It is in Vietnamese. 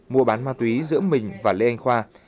mua bán ma túy giữa mình và lê anh khoa